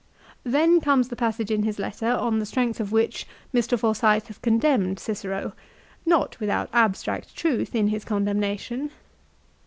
Then comes the passage in his letter on the strength of which Mr. Forsyth has condemned Cicero, not without abstract truth in his condemnation.